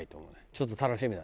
ちょっと楽しみだ。